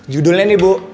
judulnya nih bu